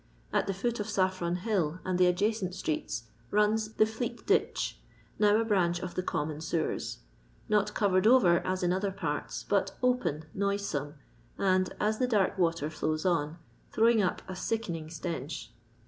At the foot of Saffiron hill and the adjacent streets runs the Fleet ditch, now a branch of the common sewers ; not covered over as in other parts, but open, noisome, and, as the dark water flows on, throwing up a sickening stench.